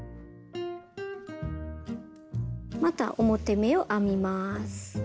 また表目を編みます。